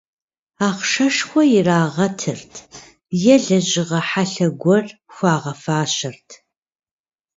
Ахъшэшхуэ ирагъэтырт е лэжьыгъэ хьэлъэ гуэр хуагъэфащэрт.